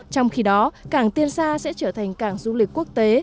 trong khi đó cảng tiên sa sẽ trở thành cảng du lịch quốc tế